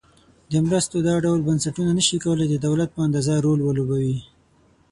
د مرستو دا ډول بنسټونه نشي کولای د دولت په اندازه رول ولوبوي.